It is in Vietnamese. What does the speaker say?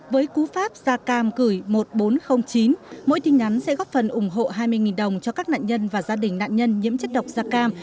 với cú pháp da cam gửi một nghìn bốn trăm linh chín mỗi tin nhắn sẽ góp phần ủng hộ hai mươi đồng cho các nạn nhân và gia đình nạn nhân nhiễm chất độc da cam